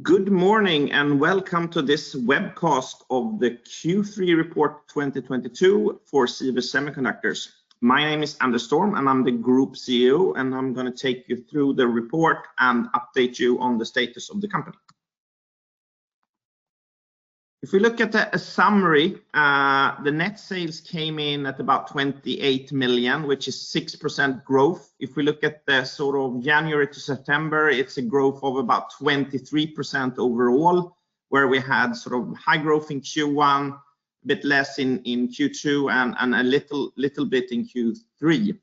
Good morning, and welcome to this webcast of the Q3 report 2022 for Sivers Semiconductors. My name is Anders Storm, and I'm the Group CEO, and I'm gonna take you through the report and update you on the status of the company. If we look at the summary, the net sales came in at about 28 million, which is 6% growth. If we look at the sort of January to September, it's a growth of about 23% overall, where we had sort of high growth in Q1, a bit less in Q2, and a little bit in Q3.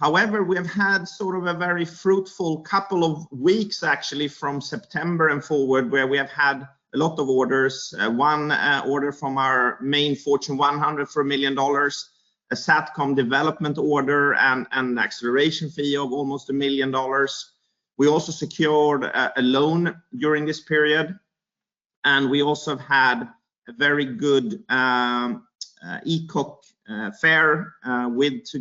However, we have had sort of a very fruitful couple of weeks actually from September and forward, where we have had a lot of orders. One order from our main Fortune 100 for $1 million, a Satcom development order and an acceleration fee of almost $1 million. We also secured a loan during this period, and we also had a very good ECOC fair with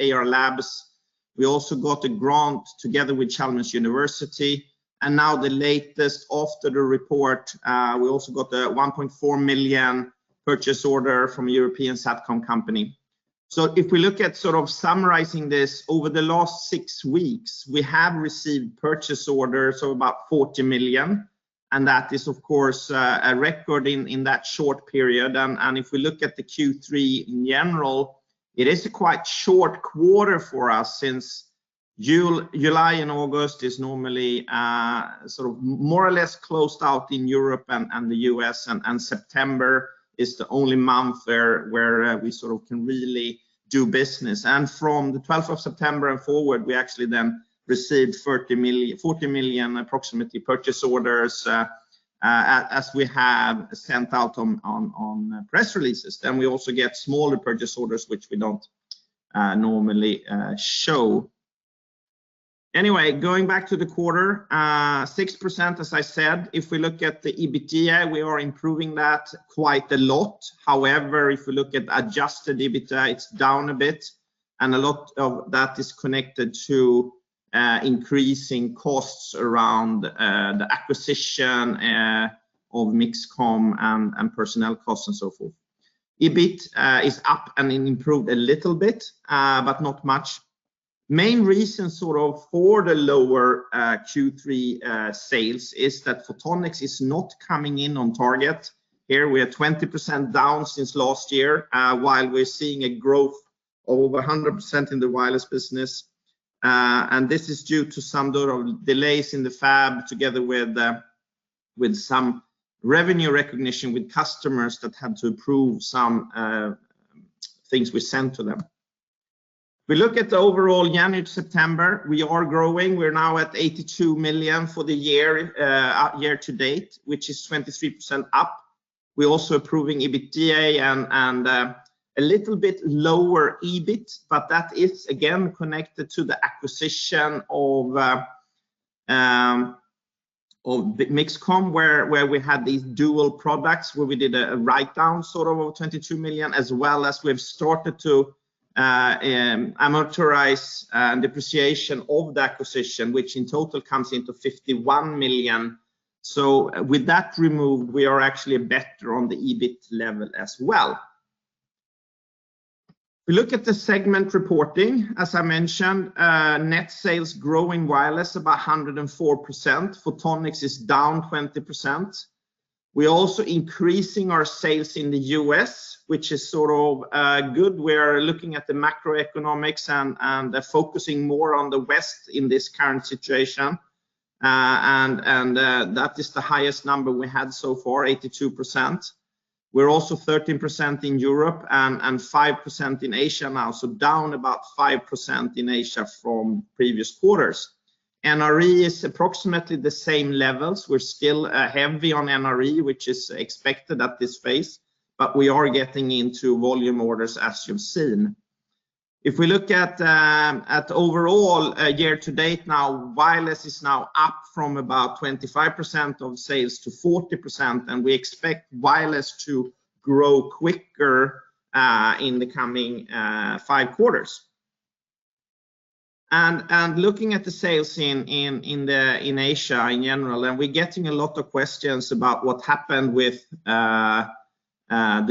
Ayar Labs. We also got a grant together with Chalmers University of Technology. Now the latest after the report, we also got a $1.4 million purchase order from a European Satcom company. If we look at sort of summarizing this over the last six weeks, we have received purchase orders of about $40 million, and that is of course a record in that short period. If we look at the Q3 in general, it is a quite short quarter for us since July and August is normally sort of more or less closed out in Europe and the U.S., and September is the only month where we sort of can really do business. From the twelfth of September and forward, we actually then received 30-40 million approximately purchase orders, as we have sent out on press releases. We also get smaller purchase orders which we don't normally show. Anyway, going back to the quarter, 6% as I said. If we look at the EBITDA, we are improving that quite a lot. However, if we look at Adjusted EBITDA, it's down a bit, and a lot of that is connected to increasing costs around the acquisition of MixComm and personnel costs and so forth. EBIT is up and improved a little bit, but not much. Main reason sort of for the lower Q3 sales is that Photonics is not coming in on target. Here we are 20% down since last year, while we're seeing a growth of over 100% in the wireless business. This is due to some sort of delays in the fab together with some revenue recognition with customers that had to approve some things we sent to them. If we look at the overall January to September, we are growing. We're now at 82 million for the year to date, which is 23% up. We're also improving EBITDA and a little bit lower EBIT, but that is again connected to the acquisition of MixComm, where we had these dual products where we did a write-down sort of of 22 million, as well as we've started to amortize depreciation of the acquisition, which in total comes into 51 million. With that removed, we are actually better on the EBIT level as well. If we look at the segment reporting, as I mentioned, net sales growing wireless about 104%. Photonics is down 20%. We're also increasing our sales in the U.S., which is sort of good. We're looking at the macroeconomics and focusing more on the West in this current situation. That is the highest number we had so far, 82%. We're also 13% in Europe and 5% in Asia now, so down about 5% in Asia from previous quarters. NRE is approximately the same levels. We're still heavy on NRE, which is expected at this phase, but we are getting into volume orders, as you've seen. If we look at overall year to date now, wireless is now up from about 25% of sales to 40%, and we expect wireless to grow quicker in the coming five quarters. Looking at the sales in Asia in general, we're getting a lot of questions about what happened with the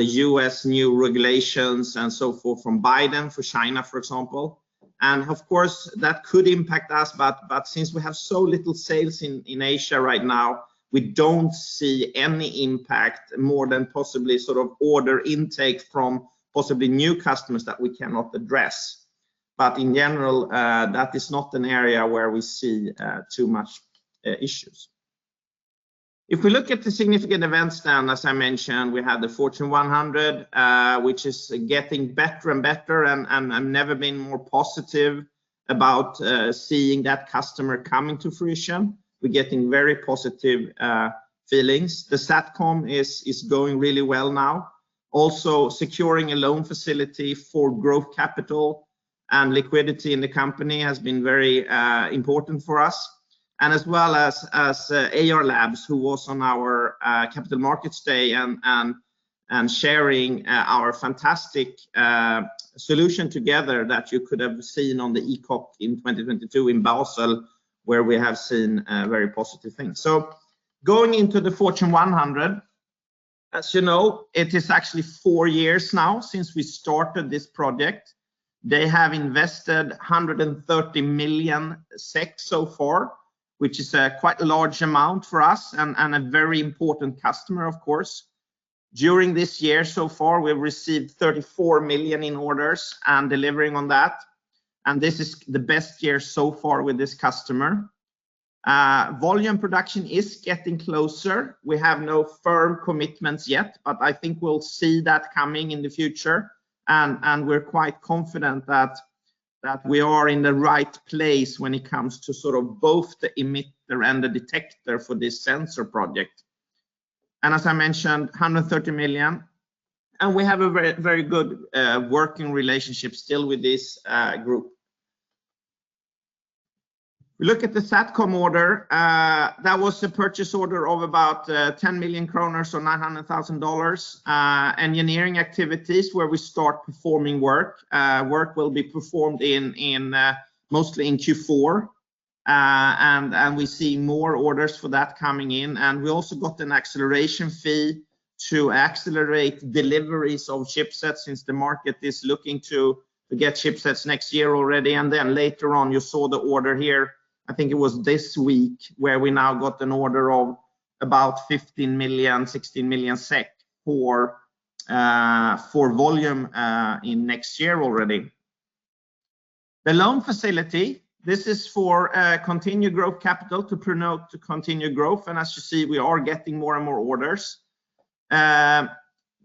U.S. new regulations and so forth from Biden for China, for example. Of course, that could impact us, but since we have so little sales in Asia right now, we don't see any impact more than possibly sort of order intake from possibly new customers that we cannot address. In general, that is not an area where we see too much issues. If we look at the significant events then, as I mentioned, we had the Fortune 100, which is getting better and better, and I've never been more positive about seeing that customer coming to fruition. We're getting very positive feelings. The Satcom is going really well now. Also securing a loan facility for growth capital and liquidity in the company has been very important for us. As well as Ayar Labs, who was on our Capital Markets Day and sharing our fantastic solution together that you could have seen on the ECOC in 2022 in Basel, where we have seen very positive things. Going into the Fortune 100, as you know, it is actually four years now since we started this project. They have invested 130 million SEK so far, which is a quite large amount for us and a very important customer, of course. During this year, so far, we've received 34 million in orders and delivering on that, and this is the best year so far with this customer. Volume production is getting closer. We have no firm commitments yet, but I think we'll see that coming in the future. We're quite confident that we are in the right place when it comes to sort of both the emitter and the detector for this sensor project. As I mentioned, 130 million, and we have a very good working relationship still with this group. Look at the Satcom order. That was the purchase order of about 10 million kronor or $900,000 engineering activities where we start performing work. Work will be performed mostly in Q4. We see more orders for that coming in. We also got an acceleration fee to accelerate deliveries of chipsets since the market is looking to get chipsets next year already. Then later on, you saw the order here. I think it was this week, where we now got an order of about 15 million, 16 million SEK for volume in next year already. The loan facility, this is for continued growth capital to promote, to continue growth. As you see, we are getting more and more orders.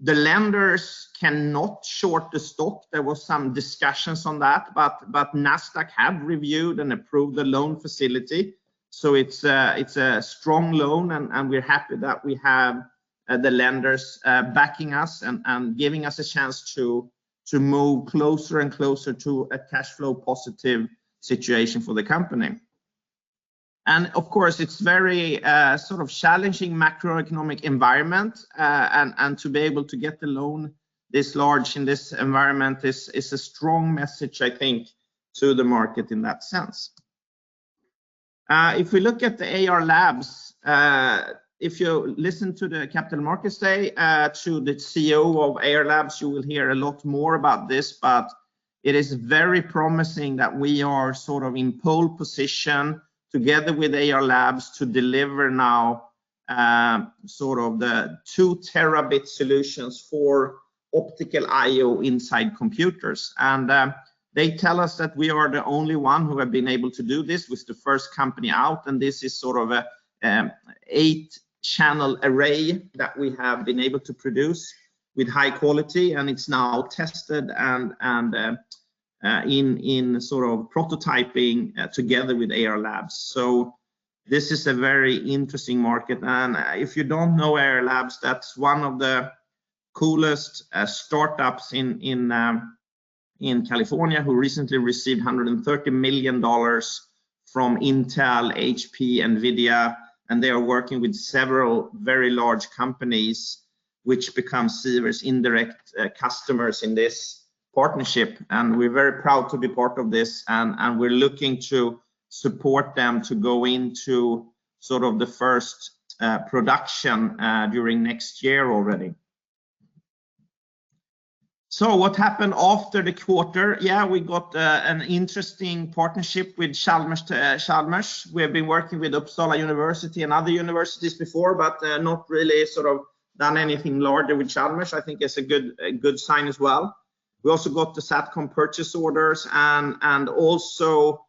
The lenders cannot short the stock. There was some discussions on that, but Nasdaq have reviewed and approved the loan facility. It's a strong loan and we're happy that we have the lenders backing us and giving us a chance to move closer and closer to a cash flow positive situation for the company. Of course, it's very, sort of challenging macroeconomic environment, and to be able to get the loan this large in this environment is a strong message, I think, to the market in that sense. If we look at the Ayar Labs, if you listen to the Capital Markets Day, to the CEO of Ayar Labs, you will hear a lot more about this. It is very promising that we are sort of in pole position together with Ayar Labs to deliver now, sort of the 2 terabit solutions for optical I/O inside computers. They tell us that we are the only one who have been able to do this. We're the first company out, and this is sort of a eight-channel array that we have been able to produce with high quality, and it's now tested and in sort of prototyping together with Ayar Labs. This is a very interesting market. If you don't know Ayar Labs, that's one of the coolest startups in California who recently received $130 million from Intel, HP, Nvidia, and they are working with several very large companies which become Sivers indirect customers in this partnership. We're very proud to be part of this and we're looking to support them to go into sort of the first production during next year already. What happened after the quarter? We got an interesting partnership with Chalmers. We have been working with Uppsala University and other universities before, but not really sort of done anything larger with Chalmers. I think it's a good sign as well. We also got the Satcom purchase orders and also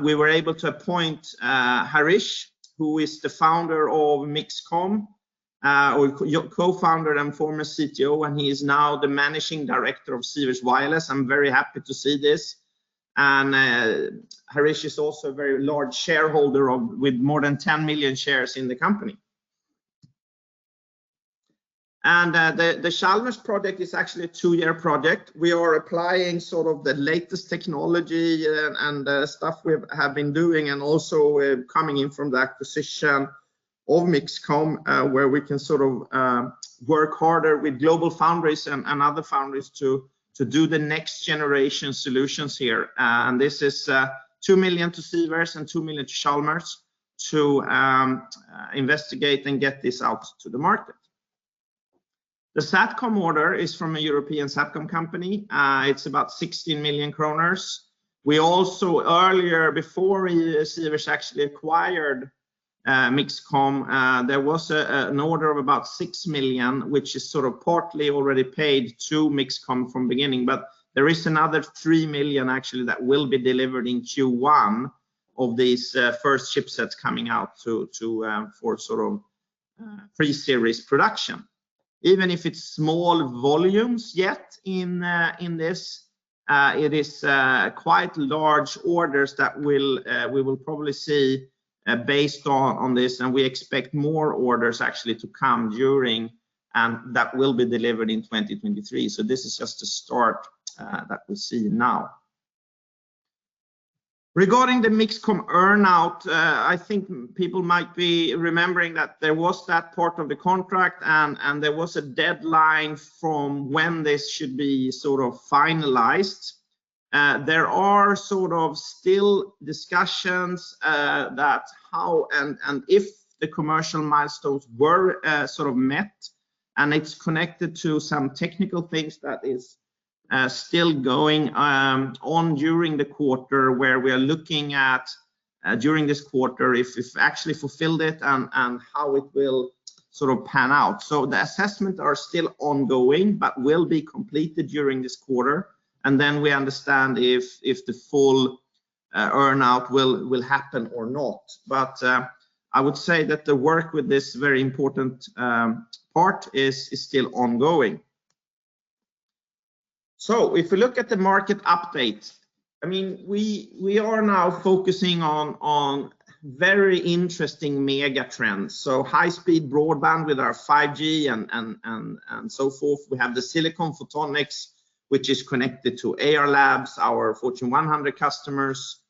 we were able to appoint Harish, who is the founder of MixComm, or co-founder and former CTO, and he is now the managing director of Sivers Wireless. I'm very happy to see this. Harish is also a very large shareholder with more than 10 million shares in the company. The Chalmers project is actually a two-year project. We are applying sort of the latest technology, and stuff we have been doing and also coming in from the acquisition of MixComm, where we can sort of work harder with GlobalFoundries and other foundries to do the next-generation solutions here. This is 2 million to Sivers and 2 million to Chalmers to investigate and get this out to the market. The Satcom order is from a European Satcom company. It's about 16 million kronor. We also earlier, before Sivers actually acquired MixComm, there was an order of about 6 million, which is sort of partly already paid to MixComm from beginning. There is another 3 million actually that will be delivered in Q1 of these first chipsets coming out to for sort of pre-series production. Even if it's small volumes yet in this, it is quite large orders that we will probably see based on this. We expect more orders actually to come during and that will be delivered in 2023. This is just a start that we see now. Regarding the MixComm earnout, I think people might be remembering that there was that part of the contract and there was a deadline from when this should be sort of finalized. There are sort of still discussions that how and if the commercial milestones were sort of met and it's connected to some technical things that is still going on during the quarter where we are looking at, during this quarter if actually fulfilled it and how it will sort of pan out. The assessments are still ongoing but will be completed during this quarter and then we understand if the full earnout will happen or not. I would say that the work with this very important part is still ongoing. If you look at the market update, I mean, we are now focusing on very interesting megatrends. High-speed broadband with our 5G and so forth. We have the silicon photonics which is connected to Ayar Labs, our Fortune 100 customers.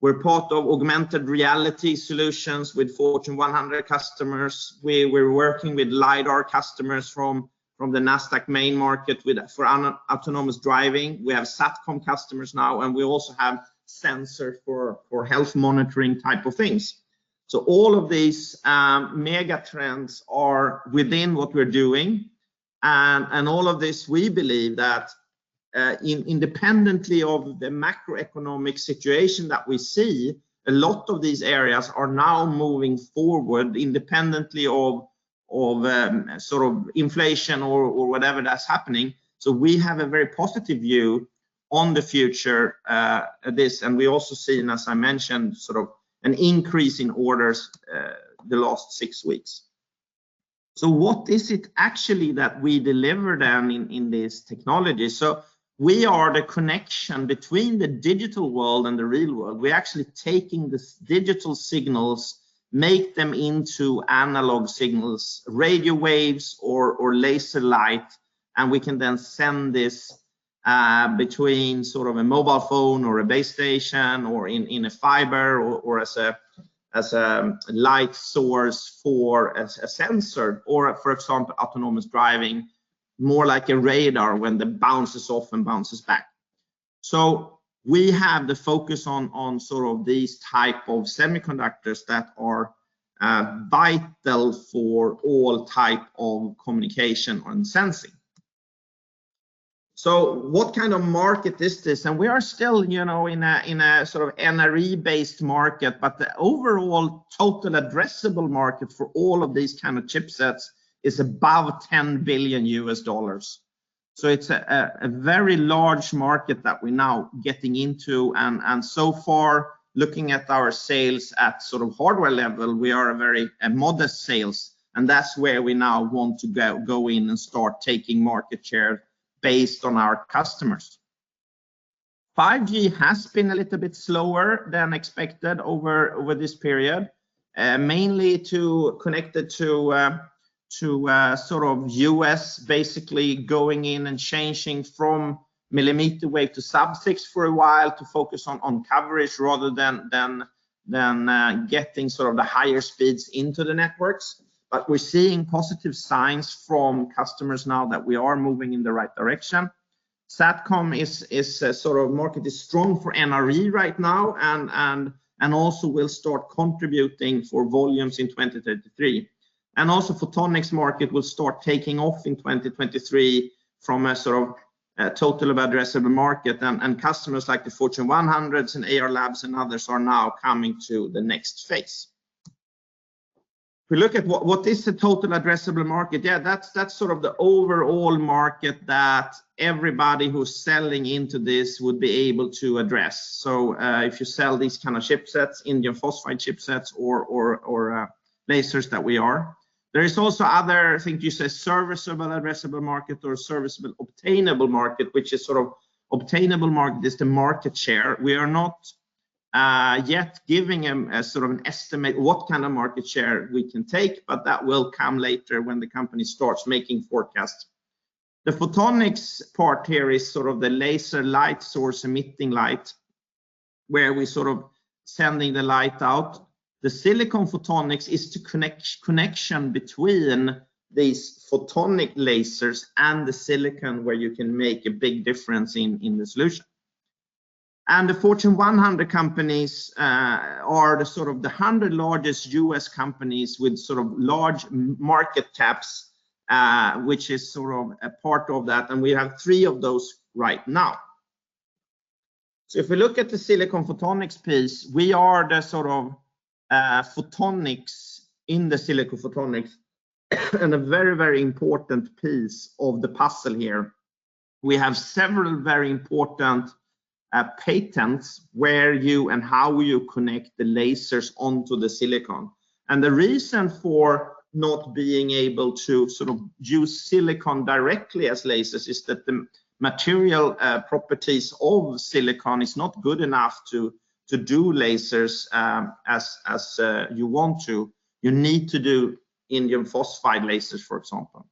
We're part of augmented reality solutions with Fortune 100 customers. We're working with LiDAR customers from the Nasdaq main market for autonomous driving. We have Satcom customers now, and we also have sensors for health monitoring type of things. All of these mega trends are within what we're doing. All of this, we believe that independently of the macroeconomic situation that we see, a lot of these areas are now moving forward independently of sort of inflation or whatever that's happening. We have a very positive view on the future, this. We also seen, as I mentioned, sort of an increase in orders, the last six weeks. What is it actually that we deliver then in this technology? We are the connection between the digital world and the real world. We're actually taking the digital signals, make them into analog signals, radio waves or laser light, and we can then send this between sort of a mobile phone or a base station or in a fiber or as a light source for a sensor or for example, autonomous driving, more like a radar when it bounces off and bounces back. We have the focus on sort of these type of semiconductors that are vital for all type of communication and sensing. What kind of market is this? We are still, you know, in a sort of NRE based market, but the overall total addressable market for all of these kind of chipsets is above $10 billion. It's a very large market that we're now getting into. So far looking at our sales at sort of hardware level, we are a very modest sales and that's where we now want to go in and start taking market share based on our customers. 5G has been a little bit slower than expected over this period, mainly to connect it to sort of U.S. basically going in and changing from millimeter wave to sub-6 for a while to focus on coverage rather than getting sort of the higher speeds into the networks. We're seeing positive signs from customers now that we are moving in the right direction. Satcom is sort of market is strong for NRE right now and also will start contributing for volumes in 2033. Photonics market will start taking off in 2023 from a sort of total addressable market and customers like the Fortune 100 and Ayar Labs and others are now coming to the next phase. If we look at what is the total addressable market? Yeah, that's sort of the overall market that everybody who's selling into this would be able to address. So, if you sell these kind of chipsets, indium phosphide chipsets or lasers that we are. There is also other, I think you say serviceable addressable market or serviceable obtainable market, which is sort of obtainable market is the market share. We are not yet giving a sort of an estimate what kind of market share we can take, but that will come later when the company starts making forecasts. The photonics part here is sort of the laser light source emitting light where we sort of sending the light out. The silicon photonics is to connect connection between these photonic lasers and the silicon where you can make a big difference in the solution. The Fortune 100 companies are sort of the 100 largest U.S. companies with sort of large market caps, which is sort of a part of that. We have three of those right now. If we look at the silicon photonics piece, we are sort of photonics in the silicon photonics and a very, very important piece of the puzzle here. We have several very important patents where you and how you connect the lasers onto the silicon. The reason for not being able to sort of use silicon directly as lasers is that the material properties of silicon is not good enough to do lasers as you want to. You need to do indium phosphide lasers, for example.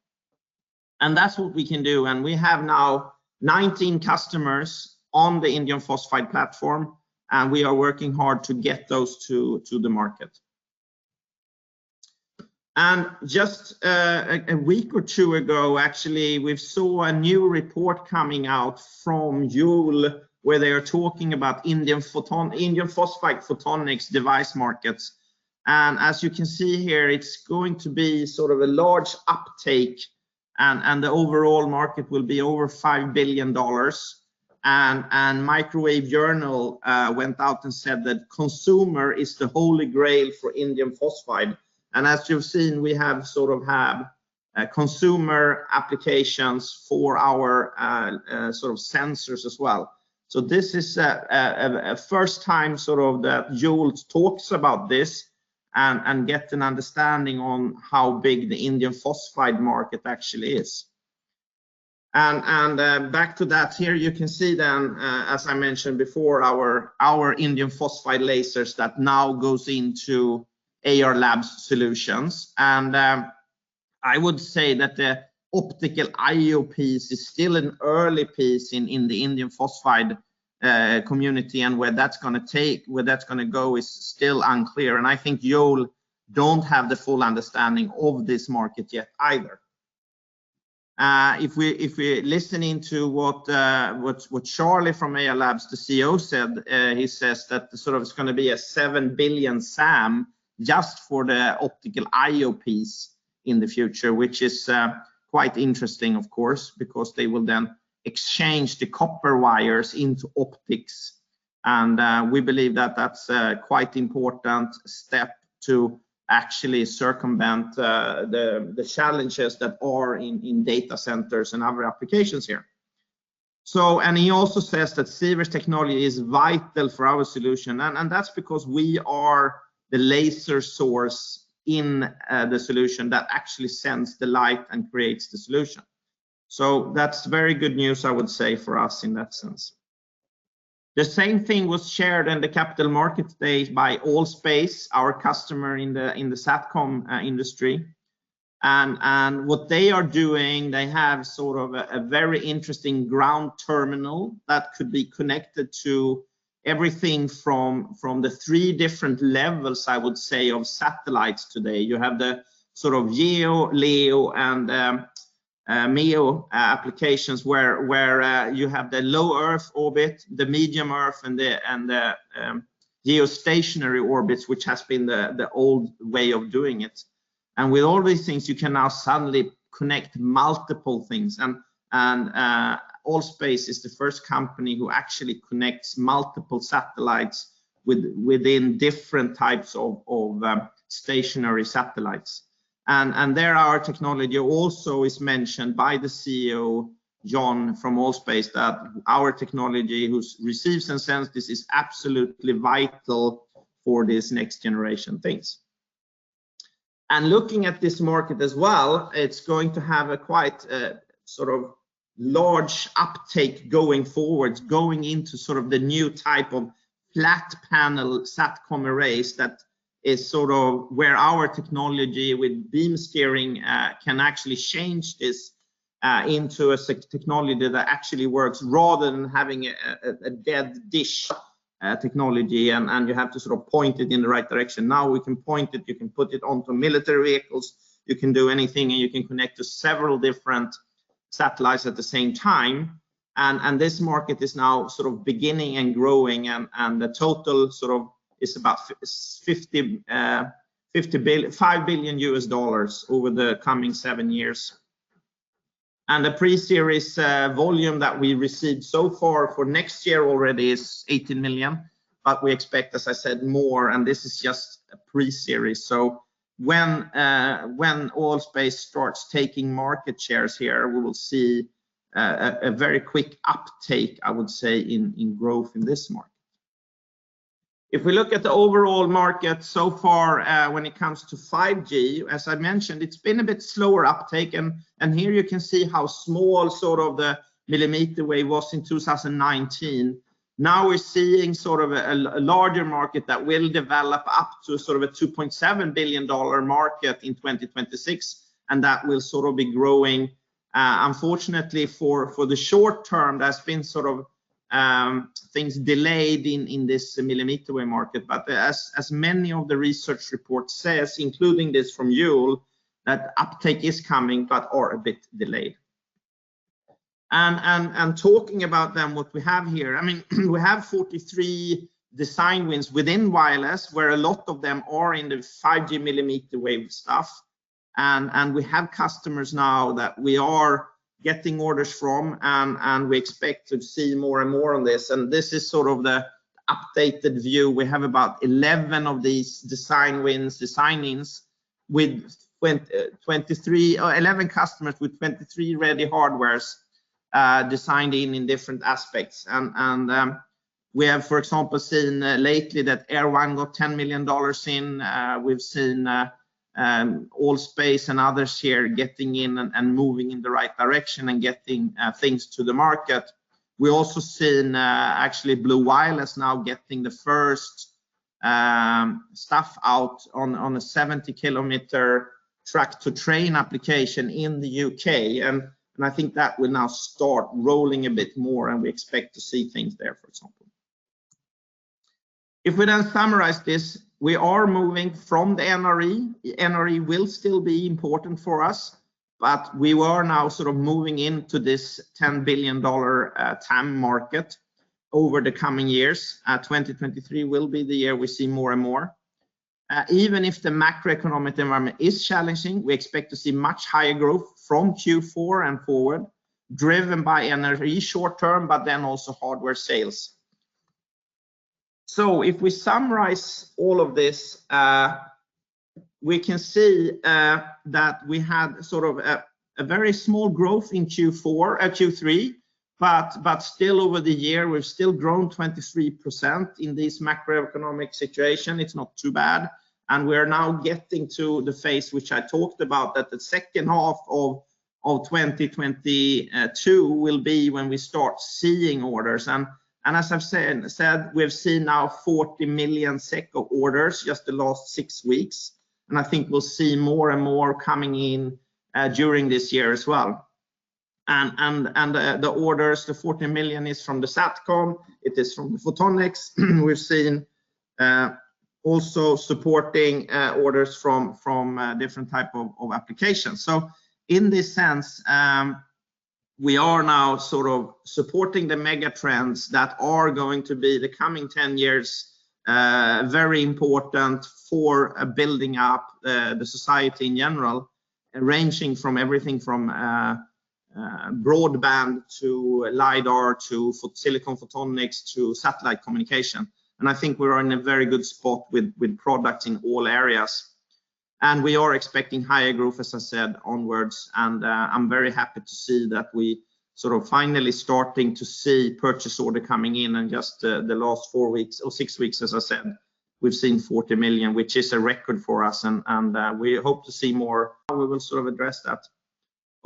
That's what we can do. We have now 19 customers on the indium phosphide platform, and we are working hard to get those to the market. Just a week or two ago, actually, we saw a new report coming out from Yole where they are talking about indium phosphide photonics device markets. As you can see here, it's going to be sort of a large uptake and the overall market will be over $5 billion. Microwave Journal went out and said that consumer is the holy grail for indium phosphide. As you've seen, we have sort of consumer applications for our sort of sensors as well. This is a first time sort of that Yole talks about this and get an understanding on how big the indium phosphide market actually is. Back to that here, you can see then, as I mentioned before, our indium phosphide lasers that now goes into Ayar Labs solutions. I would say that the optical I/O piece is still an early piece in the indium phosphide community. Where that's gonna go is still unclear. I think Yole don't have the full understanding of this market yet either. If we're listening to what Charlie from Ayar Labs, the CEO, said, he says that sort of it's gonna be 7 billion SAM just for the optical I/O piece in the future, which is quite interesting of course, because they will then exchange the copper wires into optics. We believe that that's a quite important step to actually circumvent the challenges that are in data centers and other applications here. He also says that Sivers' technology is vital for our solution, and that's because we are the laser source in the solution that actually sends the light and creates the solution. That's very good news, I would say, for us in that sense. The same thing was shared in the Capital Markets Day by All.Space, our customer in the Satcom industry. What they are doing, they have sort of a very interesting ground terminal that could be connected to everything from the three different levels, I would say, of satellites today. You have the sort of GEO, LEO, and MEO applications where you have the low earth orbit, the medium earth, and the geostationary orbits, which has been the old way of doing it. With all these things, you can now suddenly connect multiple things. All.Space is the first company who actually connects multiple satellites within different types of stationary satellites. There our technology also is mentioned by the CEO, John from All.Space, that our technology who receives and sends this is absolutely vital for these next generation things. Looking at this market as well, it's going to have a quite sort of large uptake going forward, going into sort of the new type of flat panel SatCom arrays. That is sort of where our technology with beam steering can actually change this into a technology that actually works, rather than having a dead dish technology and you have to sort of point it in the right direction. Now, we can point it, you can put it onto military vehicles, you can do anything, and you can connect to several different satellites at the same time. This market is now sort of beginning and growing and the total sort of is about $5 billion over the coming seven years. The pre-series volume that we received so far for next year already is $80 million. We expect, as I said, more, and this is just a pre-series. When All.Space starts taking market shares here, we will see a very quick uptake, I would say, in growth in this market. If we look at the overall market so far, when it comes to 5G, as I mentioned, it's been a bit slower uptake. Here you can see how small sort of the millimeter wave was in 2019. Now we're seeing sort of a larger market that will develop up to sort of a $2.7 billion market in 2026, and that will sort of be growing. Unfortunately for the short term, there's been sort of things delayed in this millimeter wave market. As many of the research reports says, including this from Yole, that uptake is coming but are a bit delayed. Talking about then what we have here, I mean, we have 43 design wins within wireless, where a lot of them are in the 5G millimeter wave stuff. We have customers now that we are getting orders from, and we expect to see more and more on this. This is sort of the updated view. We have about 11 of these design wins with 23, or 11 customers with 23 ready hardwares designed in different aspects. We have seen lately that Airwan got $10 million in. We've seen All.Space and others here getting in and moving in the right direction and getting things to the market. We've also seen actually Blu Wireless now getting the first stuff out on a 70-kilometer truck-to-train application in the UK. I think that will now start rolling a bit more, and we expect to see things there, for example. If we now summarize this, we are moving from the NRE. The NRE will still be important for us, but we are now sort of moving into this $10 billion TAM market over the coming years. 2023 will be the year we see more and more. Even if the macroeconomic environment is challenging, we expect to see much higher growth from Q4 and forward, driven by NRE short term, but then also hardware sales. If we summarize all of this, we can see that we had sort of a very small growth in Q3. Still over the year, we've still grown 23% in this macroeconomic situation. It's not too bad. We're now getting to the phase which I talked about, that the second half of 2022 will be when we start seeing orders. As I've said, we've seen now 40 million orders just the last 6 weeks. I think we'll see more and more coming in during this year as well. The orders, the 40 million is from the Satcom, it is from Photonics we've seen, also supporting orders from different type of applications. In this sense, we are now sort of supporting the mega trends that are going to be the coming 10 years, very important for building up the society in general, ranging from everything from broadband to LiDAR, to silicon photonics, to satellite communication. I think we're in a very good spot with products in all areas. We are expecting higher growth, as I said, onwards. I'm very happy to see that we sort of finally starting to see purchase order coming in in just the last 4 weeks or 6 weeks, as I said. We've seen 40 million, which is a record for us. We hope to see more. We will sort of address that.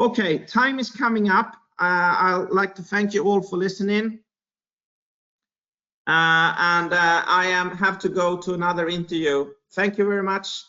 Okay. Time is coming up. I would like to thank you all for listening. I have to go to another interview. Thank you very much.